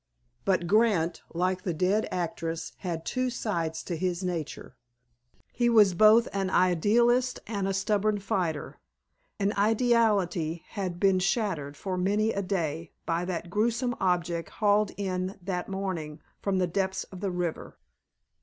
But Grant, like the dead actress, had two sides to his nature. He was both an idealist and a stubborn fighter, and ideality had been shattered for many a day by that grewsome object hauled in that morning from the depths of the river.